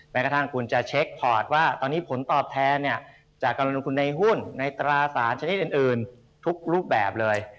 แม้กระทั่งคุณจะเช็คพอร์ตว่าตอนนี้ผลตอบแทนจากการลงทุนในหุ้นในตราสารชนิดอื่นทุกรูปแบบเลย